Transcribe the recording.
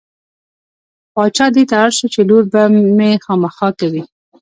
باچا دې ته اړ شو چې لور به مې خامخا کوې.